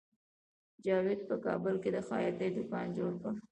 جاوید په کابل کې د خیاطۍ دکان جوړ کړ